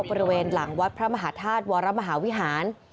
บริเวณหลังวัดพระมหาธาตุวรมหาวิหาร